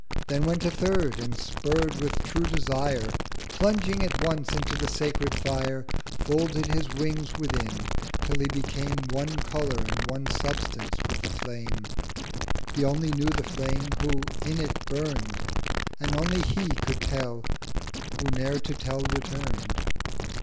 Then went a Third, and spurr'd with true Desire, Plunging at once into the sacred Fire, 1290 Folded his Wings within, till he became One Colour and one Substance with the Flame. He only knew the Flame who in it burn'd; And only He could tell who ne'er to tell return'd.